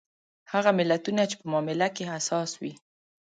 هغه ملتونه چې په معامله کې حساس وي.